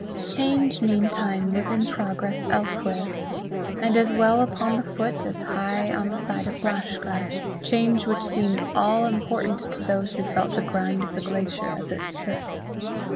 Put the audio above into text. Change, meantime, was in progress elsewhere, and as well upon the foot as high on the side of Glashgar change which seemed all important to those who felt the grind of the glacier as it slipped.